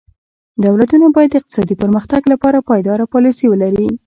دولتونه باید د اقتصادي پرمختګ لپاره پایداره پالیسي ولري.